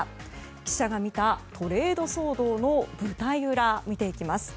記者が見たトレード騒動の舞台裏見ていきます。